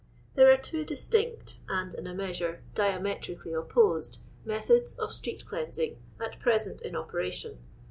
There are two distinct, and, in a measure, diametrically opposed, methods of street^cleansing at present in operation.